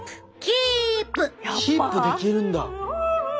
キープできるんだ。